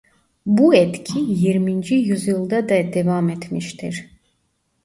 Bu etki yirminci yüzyılda da devam etmiştir.